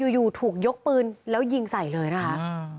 อยู่ถูกยกปืนแล้วยิงใส่เลยนะคะ